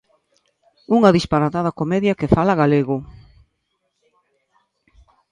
Unha disparatada comedia que fala galego.